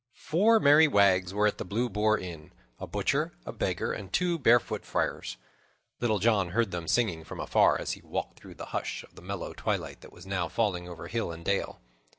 Four merry wags were at the Blue Boar Inn; a butcher, a beggar, and two barefoot friars. Little John heard them singing from afar, as he walked through the hush of the mellow twilight that was now falling over hill and dale.